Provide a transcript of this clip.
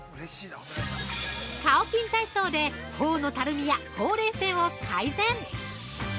◆カオキン体操で頬のたるみやほうれい線を改善。